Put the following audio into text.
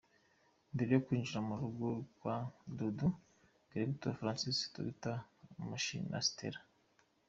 Mbere yo kwinjira mu rugo kwa Dudu: Clapton, Francis, Dr Mashi na Stella.